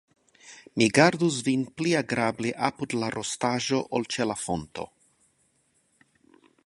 Mi gardus vin pli agrable apud la rostaĵo, ol ĉe la fonto.